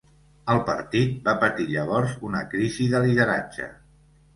El partit va patir llavors una crisi de lideratge.